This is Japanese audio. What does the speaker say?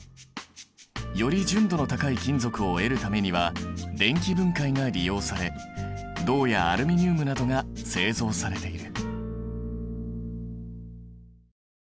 より純度の高い金属を得るためには電気分解が利用され銅やアルミニウムなどが製造されている。